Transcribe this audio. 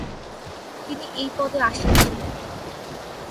তিনি এই পদে আসীন ছিলেন।